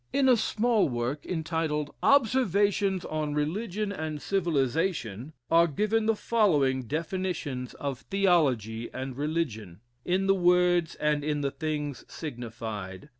In a small work entitled "Observations on Religion and Civilization," are given the following "Definitions of Theology and Religion: in the words and in the things signified.